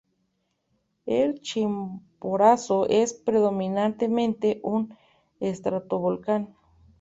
El Chimborazo es predominantemente un estratovolcán.